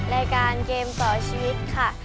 รายการเกมต่อชีวิตค่ะ